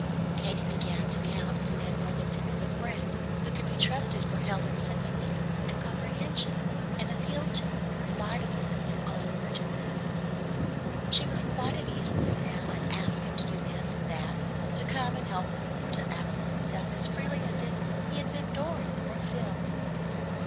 Katy began to count on Ned Worthington as a friend who could be trusted for help and sympathy and comprehension, and appealed to and relied upon in all emergencies. She was quite at ease with him now, and asked him to do this and that, to come and help her, or to absent himself, as freely as if he had been Dorry or Phil.